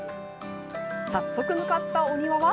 早速向かったお庭は。